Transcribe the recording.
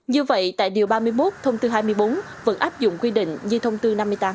như vậy tại điều ba mươi một thông tư hai mươi bốn vẫn áp dụng quy định như thông tư năm mươi tám